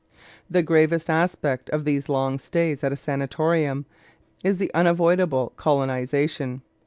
The gravest aspect of these long stays at a sanatorium is the unavoidable colonization.